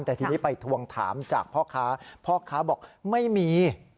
แต่ทีนี้ไปทวงถามจากพ่อค้าพ่อค้าบอกไม่มี